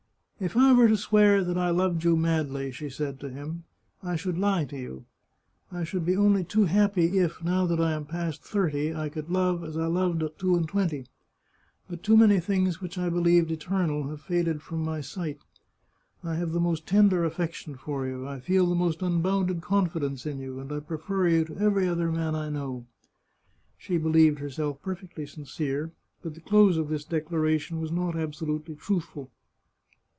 If I were to swear that I loved you madly," she said to him, " I should lie to you. I should be only too happy if, now that I am past thirty, I could love as I loved at two and twenty. But too many things which I believed eternal have faded from my sight. I have the most tender affection for you, I feel the most unbounded con fidence in you, and I prefer you to every other man I know." She believed herself perfectly sincere, but the close of this declaration was not absolutely truthful.